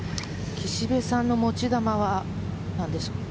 岸部さんの持ち球はなんでしょう。